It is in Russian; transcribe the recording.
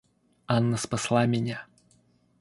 Анна спасла меня.